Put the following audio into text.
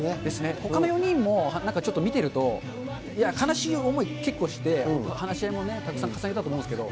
ほかの４人もなんかちょっと見てると、悲しい思い、結構して、話し合いもたくさん重ねたと思うんですけれども。